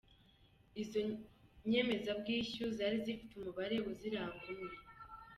Izo nyemezabwishyu zari zifite umubare uziranga umwe.